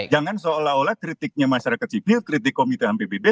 jangan seolah olah kritiknya masyarakat sipil kritik komite ampbb